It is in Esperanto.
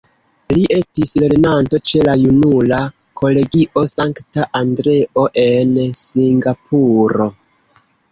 Li estis lernanto ĉe la Junula Kolegio Sankta Andreo en Singapuro.